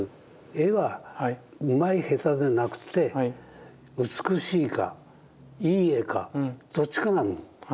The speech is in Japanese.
絵はうまい下手でなくて美しいかいい絵かどっちかなの。